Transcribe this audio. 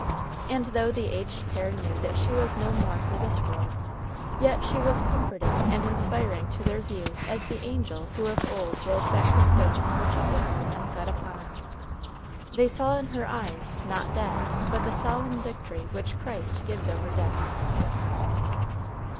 And though the aged pair knew that she was no more for this world, yet she was comforting and inspiring to their view as the angel who of old rolled back the stone from the sepulchre and sat upon it. They saw in her eyes, not death, but the solemn victory which Christ gives over death.